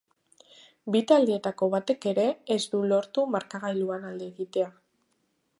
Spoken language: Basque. Bi taldeetako batek ere ez du lortu markagailuan alde egitea.